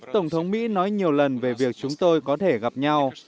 tổng thống mỹ nói nhiều lần về việc chúng tôi có thể gặp nhau